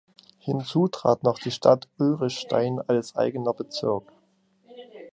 Hinzu trat noch die Stadt Ulrichstein als eigener Bezirk.